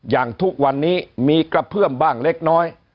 อย่างทุกวันนี้มีกระเพื่อมบ้างเล็กน้อย